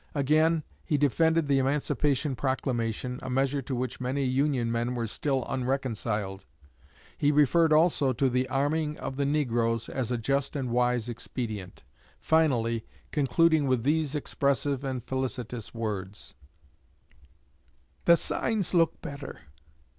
Again, he defended the Emancipation Proclamation, a measure to which many Union men were still unreconciled. He referred also to the arming of the negroes as a just and wise expedient; finally concluding with these expressive and felicitous words: The signs look better.